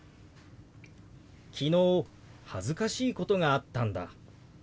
「昨日恥ずかしいことがあったんだ」。